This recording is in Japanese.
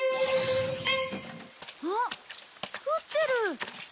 あっ降ってる！